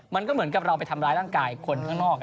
มันก็เหมือนกับเราไปทำร้ายร่างกายคนข้างนอก